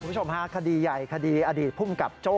คุณผู้ชมฮะคดีใหญ่คดีอดีตภูมิกับโจ้